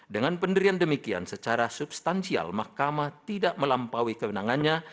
dengan penderian demikian secara substansial mahkamah tidak melampaui kewenangannya